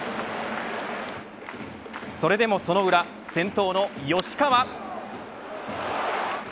それでもその裏先頭の吉川。